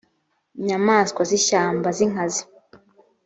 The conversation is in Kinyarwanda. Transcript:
inyamaswa z ishyamba z inkazi